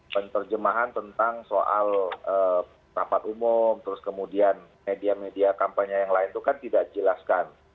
penerjemahan tentang soal rapat umum terus kemudian media media kampanye yang lain itu kan tidak dijelaskan